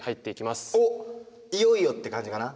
いよいよって感じかな？